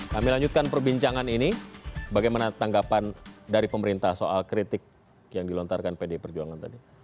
kami lanjutkan perbincangan ini bagaimana tanggapan dari pemerintah soal kritik yang dilontarkan pd perjuangan tadi